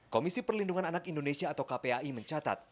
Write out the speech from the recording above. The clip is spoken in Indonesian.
komisi perlindungan anak indonesia atau kpai mencatat